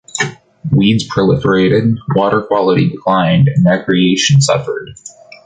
Weeds proliferated, water quality declined, and recreation suffered.